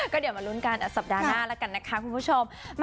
ก็เดี๋ยวมาลุ้นกันสัปดาห์หน้าแล้วกันนะคะคุณผู้ชม